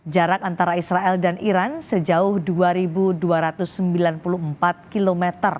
jarak antara israel dan iran sejauh dua dua ratus sembilan puluh empat km